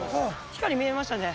光見えましたね。